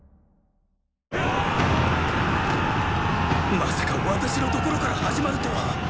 まさか私の所から始まるとはっ！